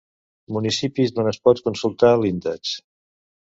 Municipis d'on es pot consultar l'índex.